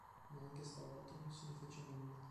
Ma anche stavolta non se ne fece nulla.